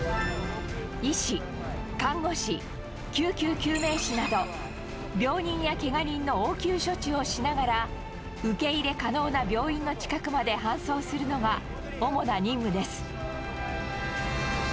医師、看護師、救急救命士など、病人やけが人の応急処置をしながら、受け入れ可能な病院の近くまで搬送するのが主な任務です。